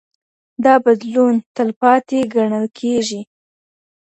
دا بدلون تلپاتې ګڼل کېږي.